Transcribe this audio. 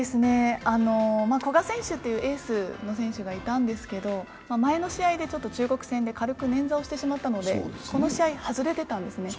古賀選手というエースの選手がいたんですけど、前の中国戦で捻挫をしてしまいましたのでこの試合、外れてたんですね。